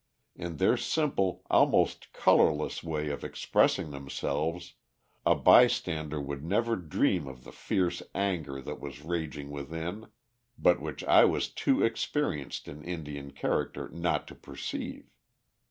In their simple, almost colorless way of expressing themselves, a bystander would never dream of the fierce anger that was raging within, but which I was too experienced in Indian character not to perceive.